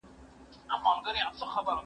زه کالي مينځلي دي!؟